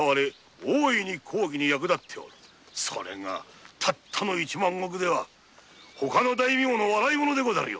それがたったの一万石では他の大名の笑い者でござるよ。